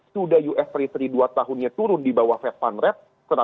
sudah us free free dua tahunnya turun di bawah fed fund rat